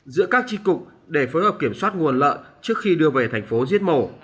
giữa các tri cục để phối hợp kiểm soát nguồn lợn trước khi đưa về thành phố giết mổ